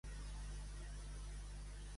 A Clerà, tannares.